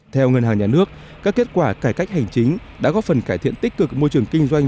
theo ngân hàng nhà nước các kết quả cải cách hành chính đã góp phần cải thiện tích cực môi trường kinh doanh